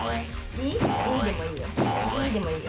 「イー」でもいいよ。